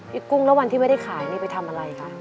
กุ้งแล้ววันที่ไม่ได้ขายนี่ไปทำอะไรคะ